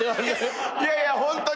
いやいやホントに。